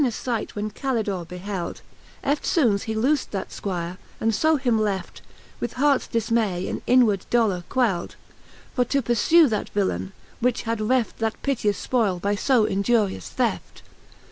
Which hay nous fight when C alt dor e beheld, Eftfoones he loofd that Squire, and fo him left, With hearts dilmay and inward dolour queld, For to purfiie that villaine, which had reft That piteous fpoile by ib iniurious theft.